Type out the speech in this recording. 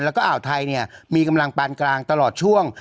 แล้วก็อ่าวไทยเนี่ยมีกำลังปานกลางตลอดช่วง